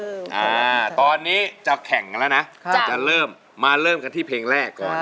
อ่าตอนนี้จะแข่งกันแล้วนะค่ะจะเริ่มมาเริ่มกันที่เพลงแรกก่อน